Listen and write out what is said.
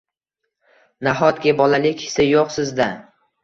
Nahotki bolalik hissi yo’q sizda?